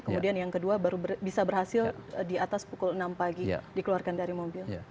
kemudian yang kedua baru bisa berhasil di atas pukul enam pagi dikeluarkan dari mobil